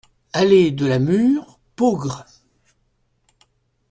Allée de la Mûre, Peaugres